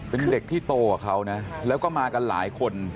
เป็นเด็กที่โตกว่าเขานะแล้วก็มากันหลายคน